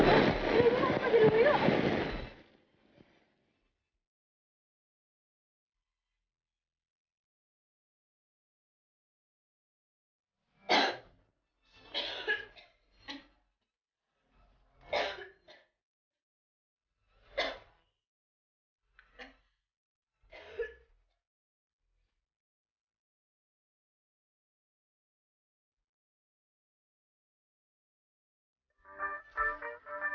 kamu marimu seperti siapa tek